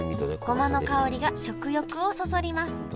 ごまの香りが食欲をそそります